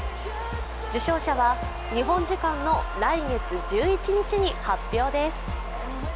受賞者は日本時間の来月１１日に発表です。